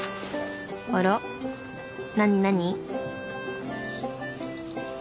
あら何何？